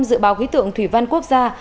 dự báo khí tượng thủy văn quốc gia